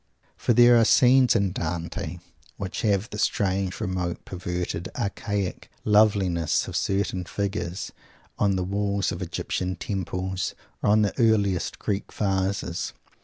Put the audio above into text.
For there are scenes in Dante which have the strange, remote, perverted, archaic loveliness of certain figures on the walls of Egyptian temples or on the earliest Greek vases.